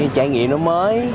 trải nghiệm nó mới